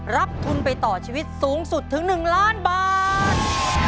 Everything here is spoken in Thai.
รับทุนไปต่อชีวิตสูงสุดถึง๑ล้านบาท